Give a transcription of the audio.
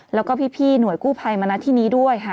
แล้วก็พี่หน่วยกู้ภัยมานัดที่นี้ด้วยค่ะ